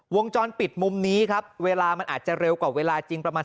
วงจรปิดมุมนี้ครับเวลามันอาจจะเร็วกว่าเวลาจริงประมาณ